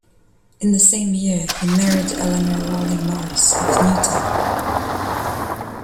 In the same year he married Eleanor Rowley Morris of Newtown.